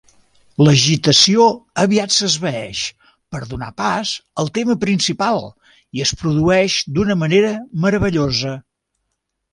L'agitació aviat s'esvaeix per donar pas al tema principal, i es produeix d'una manera meravellosa.